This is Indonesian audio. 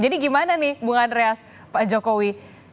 jadi gimana nih bu andreas pak jokowi